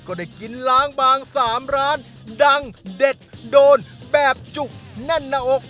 ก็ได้กินล้างบาง๓ร้านดังเด็ดโดนแบบจุกแน่นหน้าอก